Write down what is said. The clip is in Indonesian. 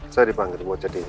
saya dipanggil buat jadi